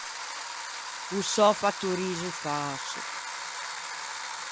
O sò fattoriso fäso.